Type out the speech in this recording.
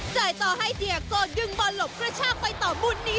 จ่ายต่อให้เดียโกดึงบอลหลบกระชากไปต่อมุนนี้